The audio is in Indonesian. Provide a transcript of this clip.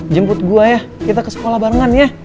jemput gua ya kita ke sekolah barengan ya